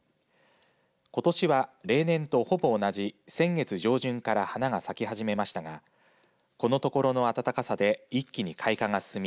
ことしは例年とほぼ同じ先月上旬から花が咲き始めましたがこのところの暖かさで一気に開花が進み